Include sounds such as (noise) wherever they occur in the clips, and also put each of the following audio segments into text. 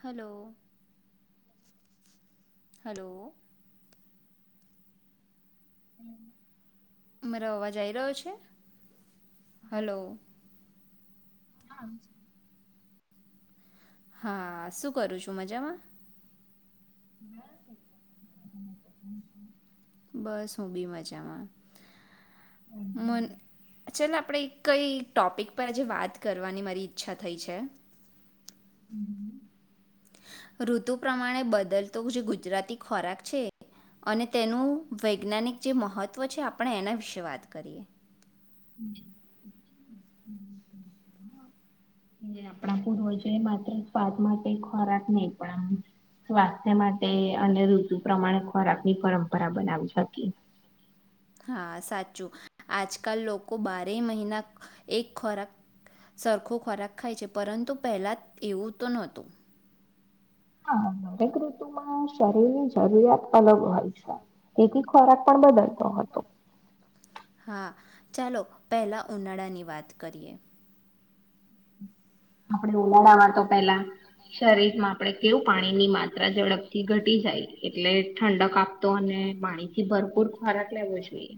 Hello hello હમ મરા અવાજ આવી રહ્યો છે હલોલો હા હા શું કરું છું મજામાં હ બસ હું બી મજામાં મન ચાલ આપણેે કઈ ટોપિક પર આજે વાત કરવાની મારી ઈચ્છા થઈ છે હમ ઋતુ પ્રમાણે બદલતો જે ગુજરાતી ખોરાક છે અને તેનું વૈજ્ઞાનિક જે મહત્વ છે આપણે એના વિશે વાત કરીએ આપણા પૂર્વજો એ માત્ર સ્વાદ માટે ખોરાક નહી પણ સ્વાસ્થ્ય માટે અને ઋતુ પ્રમાણે ખોરાક ની પરંપરા બનાવી શકી હા સાચું આજકાલ લોકો બારે મહિના એક ખોરાક સરખો ખોરાક ખાય છે પરંતુ પહેલા એવું તો નહોતું હા દરેક ઋતુમાં શરીરની જરૂરિયાત અલગ હોય છે તેથી ખોરાક પણ બદલતો હતો હા ચાલો પહેલા ઉનાળાની વાત કરીએ આપણે ઉનાળામાં તો પેલા શરીર માં આપણે કેવું પાણીની માત્રા ઝડપથી ઘટી જાય, એટલે ઠંડક આપતો, અને પાણીથી ભરપૂર ખોરાક લેવો જોઈએ.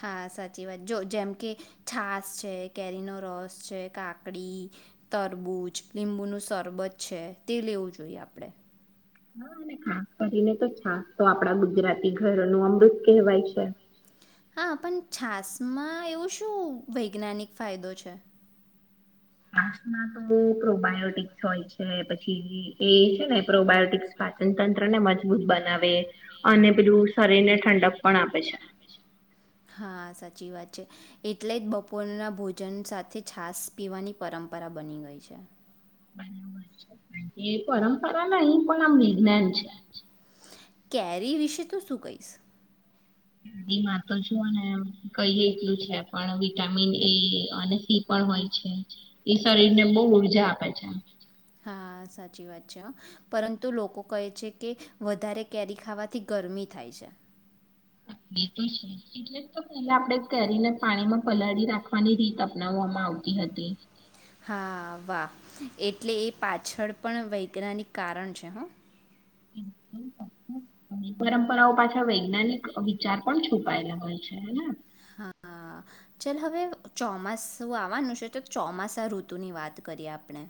હા, સાચી વાત. જો જેમ કે છાસ છે, કેરીનો રસ છે, કાકડી, તરબૂચ, લીંબુ નુ સરબત છે, તે લેવું જોઈએ આપડે. હા, ખાસ કરીને તો છાસ તો આપડા ગુજરાતી ઘરો નું અમૃત કહેવાય છે. હા, પણ છાસ માં એવું શું વૈજ્ઞાનિક ફાયદો છે? છાસ માં તો પ્રોબાયોટિક્સ હોય છે, પછી એ છે ને, પ્રોબાયોટિક્સ પાચન તંત્રને મજબૂત બનાવે, અને પેલું શરીર ને ઠંડ પણ આપે છે. હા, સાચી વાત છે. એટલે જ બપોરના ભોજન સાથે છાસ પીવાની પરંપરા બની ગઈ છે. બરાબર છે, એ પરંપરા ના એ પણ આમ વિજ્ઞાન છે. કેરી વિશે તો શું કહીશ? એમાં તો જો ને કહીએ એટલું છે, પણ વિટામિન એ અને સી પણ હોય છે, એ શરીર ને બહુ ઊર્જા આપે છે. હા, સાચી વાત છે. પરંતુ લોકો કહે છે કે, વધારે કેરી ખાવાથી ગરમી થાય છે. એતો છે, એટલે પહેલા આપણેે કેરીને પાણીમાં પલાળી રાખવાની રીત અપનાવવામાં આવતી હતી. હા, વાહ. એટલે એ પાછળ પણ વૈજ્ઞાનિક કારણ છે હં. પરંપરાઓ પાછા વૈજ્ઞાનિક વિચાર પણ છુપાયેલા હોય છે હે. હા, ચાલ. હવે ચોમાસ આવવાનું છે, તો ચોમાસા ઋતુની વાત કરીએ આપણે.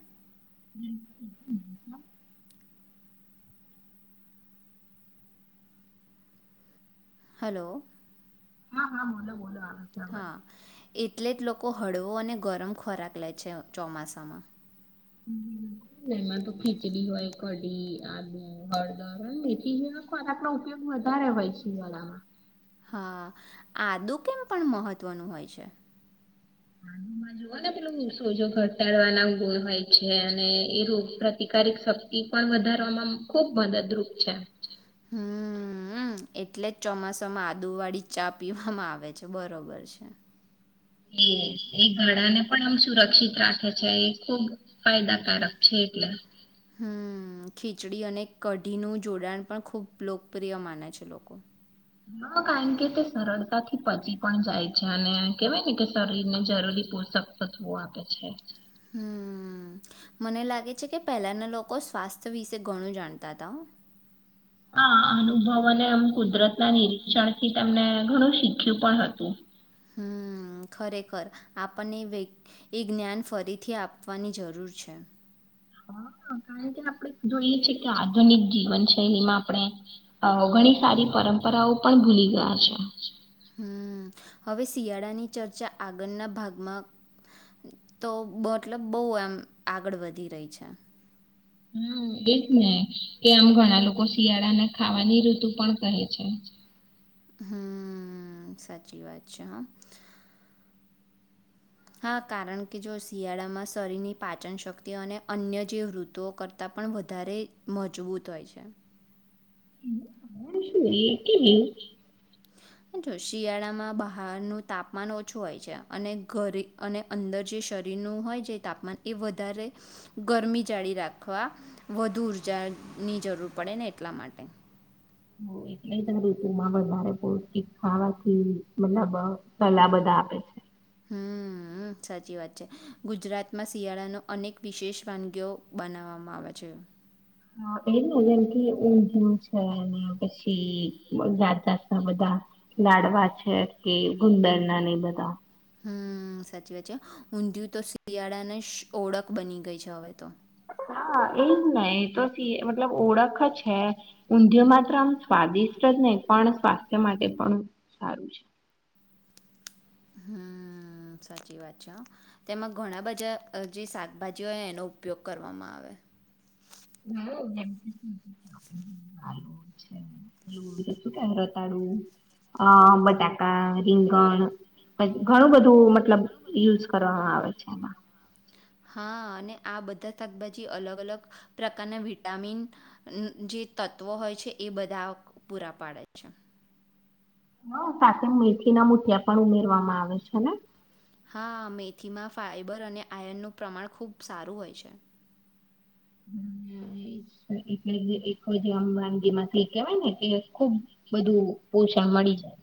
હલો. હા, હા, બોલો, બોલો. છે અવાજ. હા, એ. એટલે જ લોકો હળવો અને ગરમ ખોરાક લે છે ચોમાસામાં. ને એમાં તો ખીચડી હોય, કઢી, આદુ, હળદર, મેથી જેવા ખોરાક નો ઉપયોગ વધારે હોય શિયાળામાં. હા, આદુ કેમ પણ મહત્વનું હોય છે? મામાં જોવ ને પેલું સોજો ઘટાડવાના હોય છે, અને એ રોગ પ્રતિકારિક શક્તિ પણ વધારવામાં ખુબ મદદરૂપ છે. હમ્મ. એટલે જ ચોમાસામાં આદુ વાળી ચા પીવામાં આવે છે, બરોબર છે. એ એ ગાળાને પણ આમ સુરક્ષિત રાખે છે, એ ખુબ ફાયદાકારક છે એટલે. હમ, ખીચડી અને કઢીનું જોડાણ પણ ખુબ લોકપ્રિય માને છે લોકો. હ, કારણ કે તે સરળતા થી પચી પણ જાય છે, અને કેહેવાય ને કે, શરીરને જરૂરી પોષક તત્વો આપે છે. હમ, મને લાગે છે કે, પહેલાના લોકો સ્વાસ્થ્ય વિશે ઘણું જાણતા હતા. હા, અનુભવ અને આમ કુદરત ના નિરીક્ષણ થી તને ઘણું શીખ્યું પણ હતું. હમ, ખરેખર આપણને એ જ્ઞાન ફરીથી આપવાની જરૂર છે. હા, કારણ કે આપણે જોઈએ છે કે, આધુનિક જીવનશૈલીમાં આપણે ઘણી સારી પરંપરાઓ પણ ભૂલી ગયા છે. હમ, હવે શિયાળાની ચર્ચા આગળના ભાગમાં તો મતલબ બહુ એમ આગળ વધી રહી છે. હમ, એજ ને કે, આમ ઘણા લોકો શિયાળાને ખાવાની ઋતુ પણ કહે છે. હમ, સાચી વાત છે. હા. હા, કારણ કે જો શિયાળામાં શરીરની પાચન શક્તિ અને અન્ય જે ઋતુઓ કરતાં પણ વધારે મજબૂત હોય છે. પણ એ કેમ એવું? જો શિયાળામાં બહારનું તાપમાન ઓછું હોય છે, અને ઘરી અને અંદર જે શરીરનું હોય, જે તાપમાન એ વધારે ગરમી જાળી રાખવા વધુ ઉર્જા ની જરૂર પડે ને, એટલા માટે. એટલે ઋતુ માં વધારે પૌષ્ટિક ખાવાથી મતલબ સલાહ બધા આપે છે. હમ, સાચી વાત છે. ગુજરાતમાં શિયાળાનો અનેક વિશેષ વાનગીઓ બનાવવામાં આવે છે. હ, એ ને જેમ કે ઊંધયું છે, પછી જાત જાતના બધા લાડવા છે કે, ગુંડર ના ને બધા. હમ, સાચી વાત છે. ઊંધિયું તો શિયાળાને ઓળખ બની ગઈ છે, હવે તો. હા, એજ નહી તો મતલબ ઓળખ છે, ઊંધિય માત્ર આમ સ્વાદિષ્ટ જ નહીં પણ સ્વાસ્થ્ય માટે પણ સારું છે. હમ, સાચી વાત છે. હ તેમાં ઘણા બધા જે શાકભાજી હોય એનો ઉપયોગ કરવામાં આવે. રતાડું, બટાકા, રીંગણ ઘણું બધું મતલબ યુઝ કરવામાં આવે છે, એમાં. હા, અને આ બધા શાકભાજી અલગ અલગ પ્રકારના વિટામિન જે તત્વો હોય છે, એ બધા પૂરા પાડે છે. હા, સાથે મેથી ના મુઠિયા પણ ઉમેરવામાં આવે છે ને. હા, મેથીમાં ફાઈબર અને આયનનું પ્રમાણ ખૂબ સારું હોય છે. એટલે જે આ વાનગી માંથી કહેવાય ને કે ખુબ બધું પોષણ મળી જાય.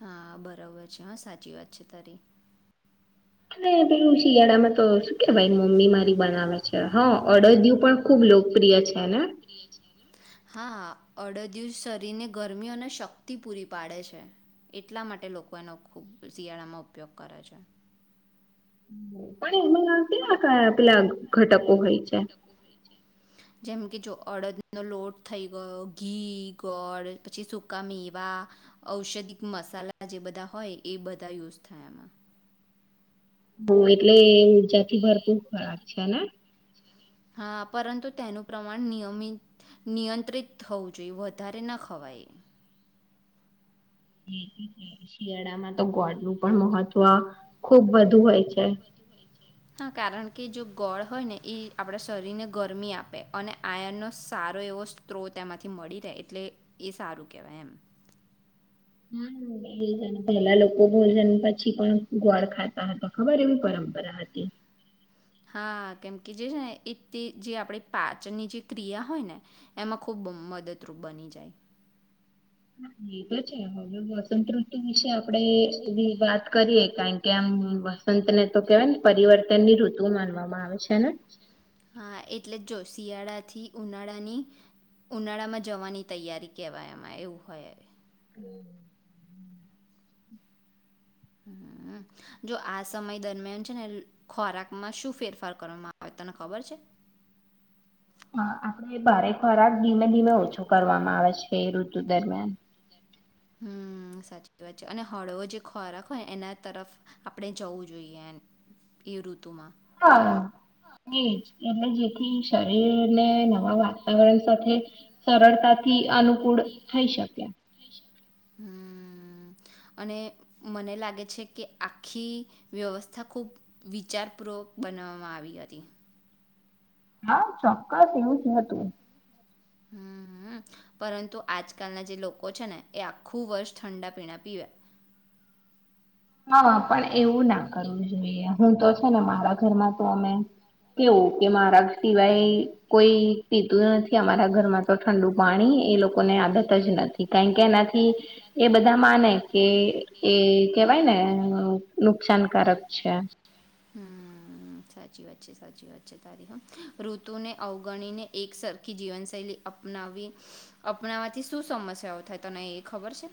હા, બરાબર છે. હા સાચી વાત છે. તારી. અને પેલું શિયાળામાં તો શું કે મમ્મી મારી બનાવે છે હા અડદયુ પણ ખુબ લોકપ્રિય છેને હા હા અડદયુ શરીરને ગરમી અને શક્તિ પૂરી પાડે છે એટલા માટે લોકો એનો ખૂબ શિયાળામાં ઉપયોગ કરે છે આપલા ઘટક (inaudible) હોય છે જેમ કે જો અડદનોો લોટ થઈ ગયો ઘી ગોળ પછી સુકા મેવા ઔષધિક મસાલા જે બધા હોય એ બધા યુઝ થયા હ એટલે ઉર્જા થી ભરપૂર ખોરાક છેને હા પરંતુ તેનું પ્રમાણ નિયમિત નિયંત્રિત થવું જોઈએ વધારે ના ખવાય શિયાળામાં તો ગોળ નું પણ મહત્વ ખુબ વધુ હોય છે હા કારણ કે જો ગોળ હોય ને એ આપણા શરીરને ગરમી આપે અને આયનનોો સારો એવો સ્ત્રોત એમાંથી મળી રહે એટલે એ સારું કેહેવાય એમ હા પેલા લોકો ભોજન પછી પણ ગોળ ખાતા હતા ખબર એવી પરંપરા હતી હા કેમકે જે છે ને એ તે જે આપડી પાચનની જે ક્રિયા હોય ને એમાં ખૂબ મદદરૂપ બની જાય એ તો છે હવે વસંત ઋતુ વિશે આપણેે વાત કરીએ કારણ કે આમ વસંતને તો કેવાય ને પરિવર્તન ની ઋતુ માનવામાં આવે છે ને હા એટલે જ જો શિયાળાથી ઉનાળાની ઉનાળામાં જવાની તૈયારી કેહેવાય એમાં એવું હોય હવે હ જો આ સમય દરમિયાન છે ને ખોરાકમાં શું ફેરફાર કરવામાં આવે તને ખબર છે હા આપડે ભારે ખોરાક ધીમે ધીમે ઓછો કરવામાં આવે છે એ ઋતુ દરમિયાન હમ સાચી વાત છે અને હળવો જે ખોરાક હોય એના તરફ આપણે જવું જોઈએ એ ઋતુમાં હા એજ એટલે જેથી શરીરને નવા વાતાવરણ સાથે સરળતાથી અનુકૂળ થઈ શક્યા હમ અને મને લાગે છે કે આખી વ્યવસ્થા ખુબ વિચારપૂર્વક બનાવવામાં આવી હતી હા ચોક્કસ એવું જ હતું હમ હમ પરંતુ આજકાલના જે લોકો છે ને એ આખું વર્ષ ઠંડા પીણા પીવે્યા હા પણ એવું ના કરવું જોઈએ હું તો છે ને મારા ઘરમાં તો અમે કેવું કે મારા સિવાય કોઈ પીતું નથી અમારા ઘરમાં તો ઠંડુ પાણી એ લોકો ની આદત જ નથી કારણ કે એનાથી એ બધા માને કે એ ભાઈ ને નુકસાનકારક છે હમ સાચી વાત છે સાચી વાત છે તારી હ ઋતુને અવગણીને એક સરખી જીવનશૈલી અપનાવી અપનાવાથી શું સમસ્યાઓ થાય તને એ ખબર છે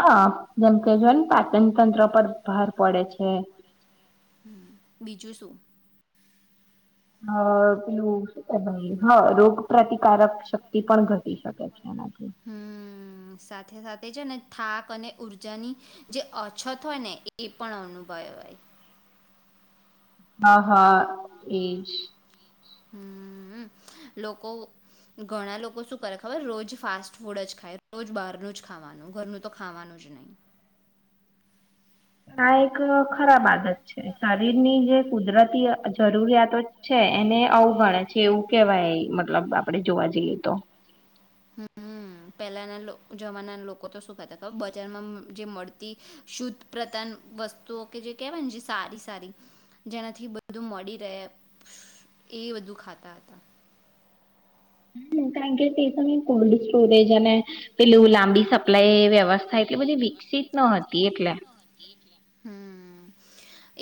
હા જેમ કે જોય ને પાચન તંત્ર પર ભાર પડે છે બીજું શું અ પેલું હ રોગ પ્રતિકારક શક્તિ પણ ઘટી શકે છે એનાથી હમ સાથે સાથે છે ને થાક અને ઉર્જાની જે અછત હોય ને એ પણ અનુભવ હોય હા હા એજ હમ લોકો ઘણા લોકો શું કરે ખબર રોજ ફાસ્ટ ફૂડ જ ખાય રોજ બહારનું જ ખાવાનું ઘરનું તો ખાવાનું જ નહી આ એક ખરાબ આદત છે શરીરની જે કુદરતી જરૂરિયાતો છે એને અવગણે છે એવું કેવાય મતલબ આપડે જોવા જઈએ તો હમ પહેલાના જમાના લોકો તો શું ખાતા ખબર બજારમાં જે મળતી શુદ્ધ પ્રતાન વસ્તુઓ કે જે કેહેવાય સારી સારી જેનાથી બધું મળી રહે એ બધું ખાતા હતા કાર પ કોલ્ડ સ્ટોરેજ અને (inaudible) પેલું લાંબી સપ્લાય વ્યવસ્થા એટલે બધી વિકસિત ન હતી એટલે હમ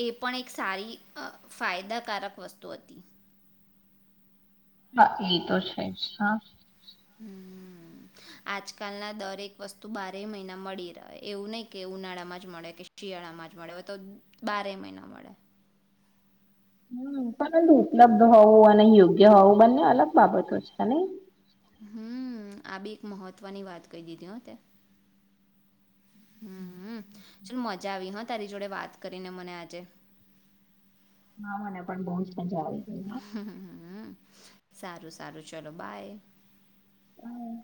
એ પણ એક સારી ફાયદાકારક વસ્તુ હતી હા એ તો છે જ હા હમ આજકાલના દરેક વસ્તુ બારે મહિના મળી રહે એવું નહીિ કે ઉનાળામાં જ મળે કે શિયાળામાં જ મળેવે તો બારે મહિના મળે હમ પણ ઉપલબ્ધ હોવું અને યોગ્ય હોવું બંને અલગ બાબતો છે હમ આ બી એક મહત્વની વાત કહી દીધી હો તે હમ ચલ મજા આવી હ તારી જોડે વાત કરીને મને આજે ના મને પણ બહંચં મજા આવી ગઈ હા સારું સારું ચલો બાય હમ.